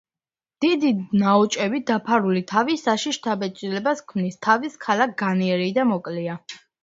დიდი, ნაოჭებით დაფარული თავი საშიშ შთაბეჭდილებას ქმნის, თავის ქალა განიერი და მოკლეა.